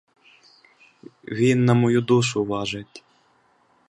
Він на мою душу важить!